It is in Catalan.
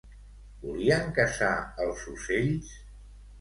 Volien caçar els ocells?